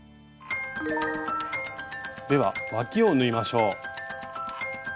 ではわきを縫いましょう。